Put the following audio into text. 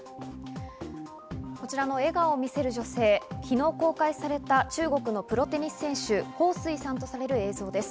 こちらの笑顔を見せる女性、昨日公開された中国のプロテニス選手・ホウ・スイさんとされる映像です。